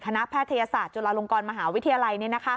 แพทยศาสตร์จุฬาลงกรมหาวิทยาลัย